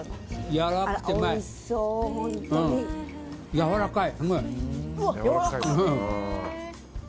やわらかい。